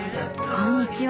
こんにちは。